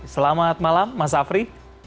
selamat malam mas afri